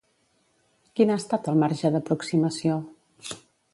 Quin ha estat el marge d'aproximació?